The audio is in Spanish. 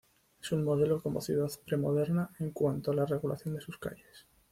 Es un modelo como ciudad pre-moderna en cuanto a la regulación de sus calles.